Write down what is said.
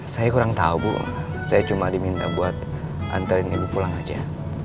saya kurang tahu bu saya cuma diminta buat antarin ibu pulang aja